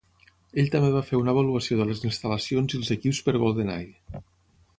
Ell també va fer una avaluació de les instal·lacions i els equips per Goldeneye.